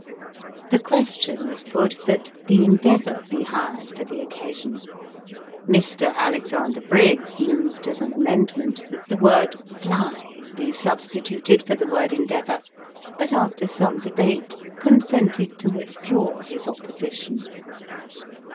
The question was put that " The Endeavour " be hired for the occasion ; Mr. Alexander Briggs moved as an amendment, that the word " Fly " be substituted for the word "Endeavour;" but after some debate consented to withdraw his opposition.